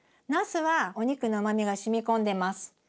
なすはお肉のうまみがしみ込んでます。